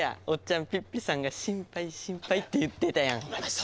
おっちゃんピッピさんが心配心配って言ってたやん。